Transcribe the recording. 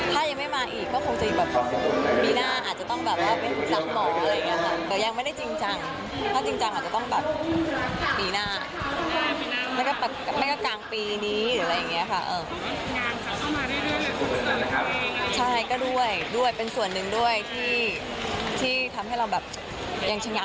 ตอนนี้ก็พร้อมนะคะแต่ว่าถ้ายังไม่มาอีกก็คงจะอยู่แบบปีหน้าอาจจะต้องแบบไม่รู้ซ้ำหรอกอะไรอย่างนี้ค่ะ